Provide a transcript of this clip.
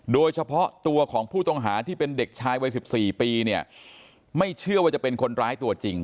โดยเฉพาะตัวของผู้ต้องหาที่เป็นเด็กชายวัย๑๔ปีเนี่ยไม่เชื่อว่าจะเป็นคนร้ายตัวจริง